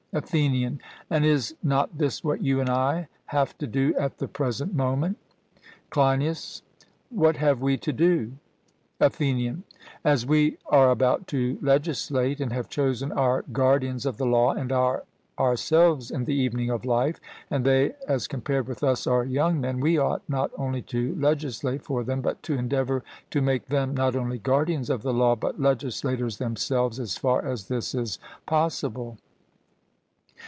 ATHENIAN: And is not this what you and I have to do at the present moment? CLEINIAS: What have we to do? ATHENIAN: As we are about to legislate and have chosen our guardians of the law, and are ourselves in the evening of life, and they as compared with us are young men, we ought not only to legislate for them, but to endeavour to make them not only guardians of the law but legislators themselves, as far as this is possible.